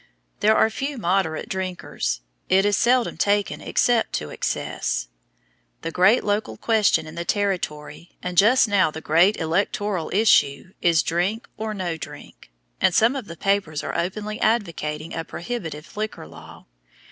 There are few moderate drinkers; it is seldom taken except to excess. The great local question in the Territory, and just now the great electoral issue, is drink or no drink, and some of the papers are openly advocating a prohibitive liquor law.